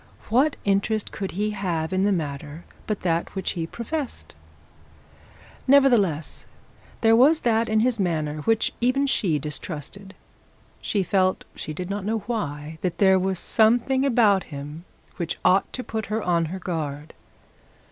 What interest could he have in the matter but that which he professed? Nevertheless there was that in his manner which even she distrusted. She felt, and she did not know why, that there was something about him which ought to put her on her guard.